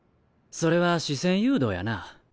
それは視線誘導やな。